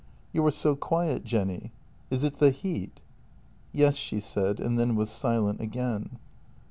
" You are so quiet, Jenny. Is it the heat? "" Yes," she said, and then was silent again.